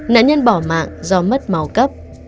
nạn nhân bỏ mạng do mất máu cấp